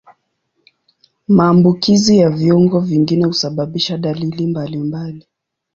Maambukizi ya viungo vingine husababisha dalili mbalimbali.